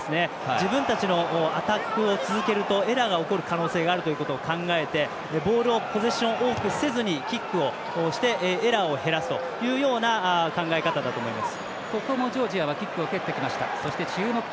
自分たちのアタックを続けるとエラーが起こる可能性を考えてボールをポゼッション多くせずにキックしてエラーを減らすというような考え方だと思います。